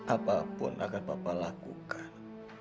apa pun akan papa lakukan